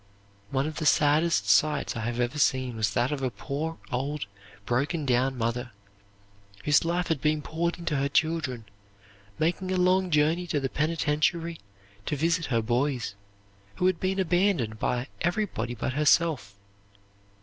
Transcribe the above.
'" One of the saddest sights I have ever seen was that of a poor, old, broken down mother, whose life had been poured into her children, making a long journey to the penitentiary to visit her boy, who had been abandoned by everybody but herself.